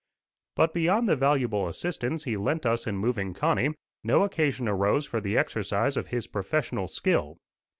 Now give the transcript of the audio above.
But beyond the valuable assistance he lent us in moving Connie, no occasion arose for the exercise of his professional skill.